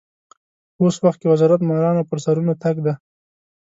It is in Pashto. په اوس وخت کې وزارت مارانو پر سرونو تګ دی.